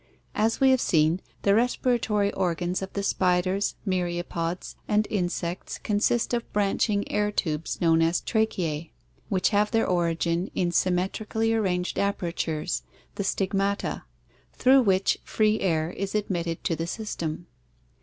As we have seen, the respiratory organs of the spiders, myriapods, and insects consist of branching air tubes known as tracheae which have their origin in symmetrically ar ranged apertures, the stigmata, through which free air is admitted to the system.